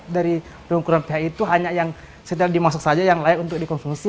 dari pengukuran ph itu hanya yang setelah dimasuk saja yang layak untuk dikonsumsi